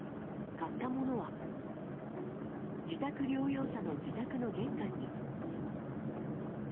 買ったものは自宅療養者の自宅の玄関に。